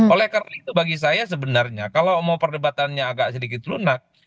oleh karena itu bagi saya sebenarnya kalau mau perdebatannya agak sedikit lunak